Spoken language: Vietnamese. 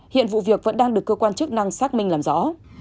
hiện vụ việc vẫn đang được cơ quan chức năng xác minh làm rõ